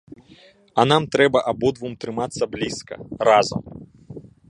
А нам трэба абодвум трымацца блізка, разам.